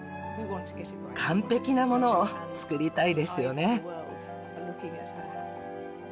完璧なものを作りたいですよね。